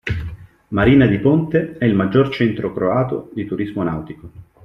Marina di Ponte è il maggior centro croato di turismo nautico.